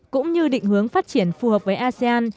cũng như định hướng phát triển phù hợp với asean